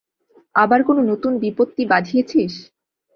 আবার কোন নতুন বিপত্তি বাঁধিয়েছিস?